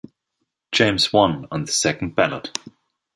James won on the second ballot.